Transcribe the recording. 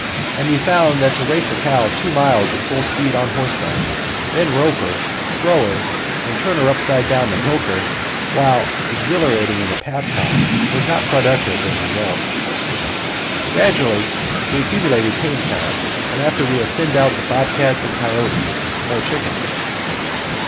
And we found that to race a cow two miles at full speed on horseback, then rope her, throw her, and turn her upside down to milk her, while exhilarating as a pastime, was not productive of results. Gradually we accumulated tame cows, and, after we had thinned out the bobcats and coyotes, more chickens.